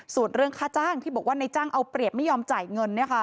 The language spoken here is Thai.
ส่วนเรื่องค่าจ้างที่บอกว่าในจ้างเอาเปรียบไม่ยอมจ่ายเงิน